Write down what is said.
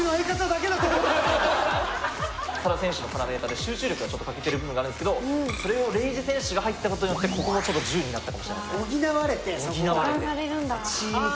ＳａＲａ選手のパラメーターで集中力が欠けてる部分があるんですけどそれをＲｅｉｊｉ選手が入ったことによってここも１０になったかもしれないですね。